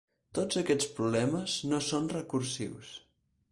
Tots aquests problemes no són recursius.